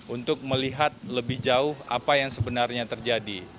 untuk melihat lebih jauh apa yang sebenarnya terjadi